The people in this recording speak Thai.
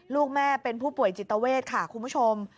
ลูกแม่เป็นผู้ป่วยจิตเวทค่ะคุณผู้ชม